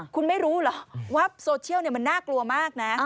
คุณไม่รู้เหรอว่าโซเชียลมันน่ากลัวมากนะ